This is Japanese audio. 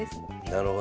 なるほど。